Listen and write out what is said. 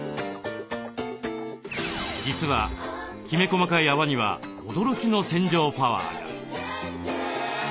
実はきめ細かい泡には驚きの洗浄パワーが。